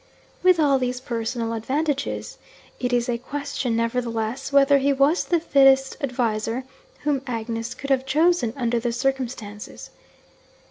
With all these personal advantages, it is a question, nevertheless, whether he was the fittest adviser whom Agnes could have chosen under the circumstances.